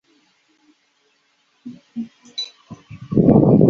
就操作空间有限的航舰人员来讲亦乐见环境简化操作机种的概念。